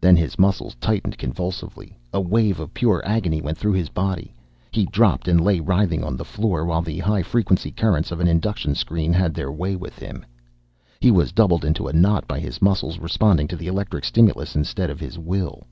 Then his muscles tightened convulsively. A wave of pure agony went through his body. He dropped and lay writhing on the floor, while the high frequency currents of an induction screen had their way with him. He was doubled into a knot by his muscles responding to the electric stimulus instead of his will.